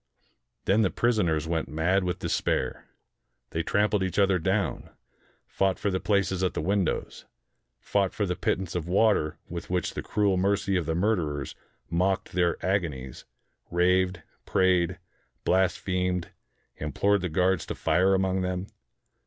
Then the prisoners went mad with despair. They trampled each other down, fought for the places at the windows, fought for the pittance of water with which the cruel mercy of the murderers mocked their ago nies, raved, prayed, blasphemed, implored the guards to fire among them.